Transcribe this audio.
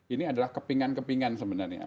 ini adalah kepingan kepingan sebenarnya